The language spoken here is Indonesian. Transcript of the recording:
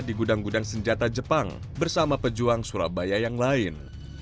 di gudang gudang senjata jepang bersama pejuang surabaya yang lain